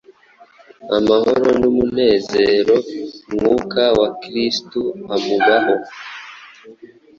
amahoro n’umunezero. Mwuka wa Kristo amubaho.